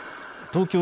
東京